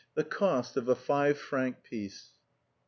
THE COST OF A FIVE FRANC PIECE.